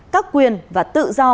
các quyền và tự do của quốc gia